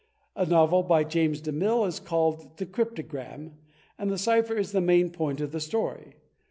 A novel by James De Mille is called "The Cryptogram," and the cypher is the main point of the story.